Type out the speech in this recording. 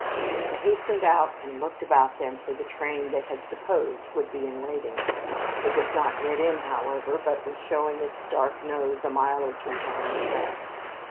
They hastened out and looked about them for the train they had supposed would be in waiting. It was not yet in, however, but was showing its dark nose a mile or two down the track.